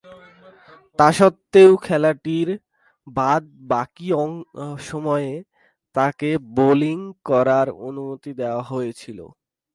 তাসত্ত্বেও, খেলাটির বাদ-বাকি সময়ে তাকে বোলিং করার অনুমতি দেয়া হয়েছিল।